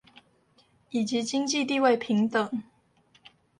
以及經濟地位平等